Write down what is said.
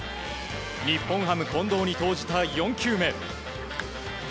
日本ハム近藤に投じた４球目。